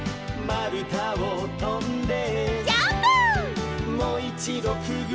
「まるたをとんで」